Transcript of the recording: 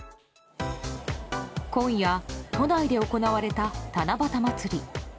今夜、都内で行われた七夕まつり。